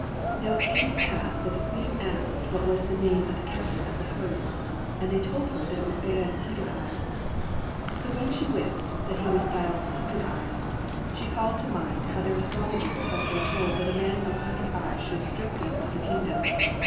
Now it came to pass that the Queen asked what was the name of the caj^tain of the host, and they told her that it was Bayan Ilundrcd Eyes. So when she wist that he was styled Hundred Eyes, she called to mind how their astrologers had foretold that a man of an hundred eyes should strip them of the kingdom.'